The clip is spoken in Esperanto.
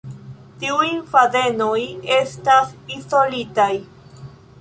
Tiuj fadenoj estas izolitaj.